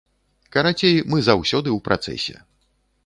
Карацей, мы заўсёды ў працэсе.